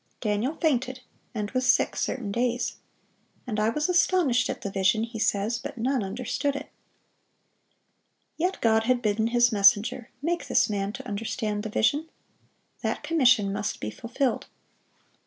Daniel "fainted, and was sick certain days." "And I was astonished at the vision," he says, "but none understood it." Yet God had bidden His messenger, "Make this man to understand the vision." That commission must be fulfilled.